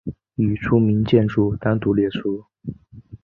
已除名建筑单独列出。